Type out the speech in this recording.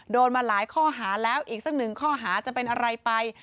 โดนมาหลายข้อหาแล้วอีกสักหนึ่งข้อหาจะเป็นอะไรไป